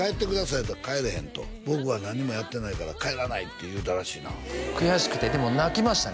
言うたら帰れへんと「僕は何もやってないから帰らない」って言うたらしいな悔しくてでも泣きましたね